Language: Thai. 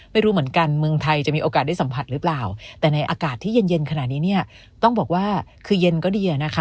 ไม่รู้เหมือนกันเมืองไทยจะมีโอกาสได้สัมผัสหรือเปล่าแต่ในอากาศที่เย็นเย็นขนาดนี้เนี่ยต้องบอกว่าคือเย็นก็ดีอะนะคะ